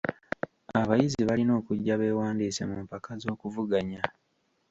Abayizi balina okujja beewandiise mu mpaka z'okuvuganya.